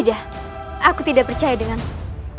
aku tidak percaya denganmu